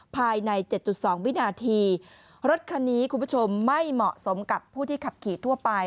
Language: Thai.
ภายใน๗๒วินาทีรถคันนี้คุณผู้ชมไม่เหมาะสมกับผู้ที่ขับขี่ทั่วไป